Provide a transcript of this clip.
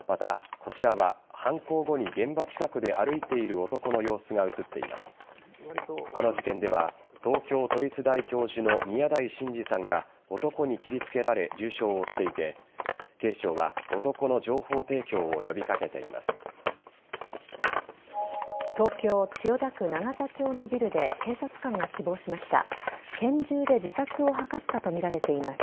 この事件では東京都立大教授の宮台真司さんが男に切りつけられ重傷を負っていて警視庁は男の情報提供を呼び掛けています。